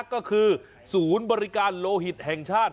ก็คือศูนย์บริการโลหิตแห่งชาติ